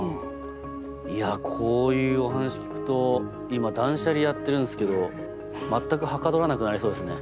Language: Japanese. いやこういうお話聞くと今断捨離やってるんですけど全くはかどらなくなりそうですね。